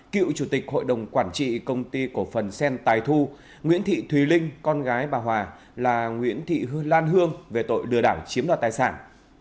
cựu chủ tịch hội đồng quản trị công ty cổ phần sen tài thu nguyễn thị thùy linh con gái bà hòa là nguyễn thị hương lan hương về tội lừa đảo chiếm đoạt tài sản